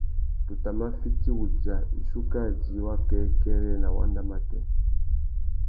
Tu tà mà fiti wudja wissú kā djï wakêkêrê nà wanda matê.